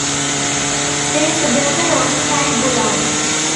He is the brother of Pat Bullard.